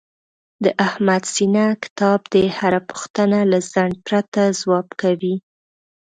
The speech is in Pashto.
د احمد سینه کتاب دی، هره پوښتنه له ځنډ پرته ځواب کوي.